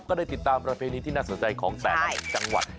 ก็ได้ติดตามประเพณีที่น่าสนใจของแต่ละจังหวัด